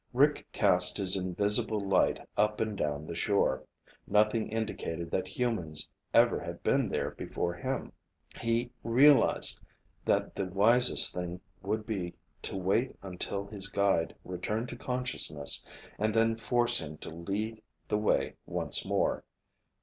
Rick cast his invisible light up and down the shore. Nothing indicated that humans ever had been there before him. He realized that the wisest thing would be to wait until his guide returned to consciousness and then force him to lead the way once more.